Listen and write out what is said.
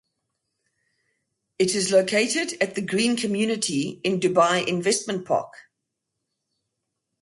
It is located at the Green Community in Dubai Investment Park.